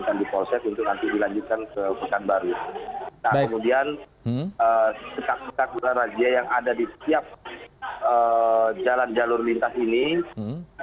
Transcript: jadi kita melaksanakan rajinnya yang terlihat identitasnya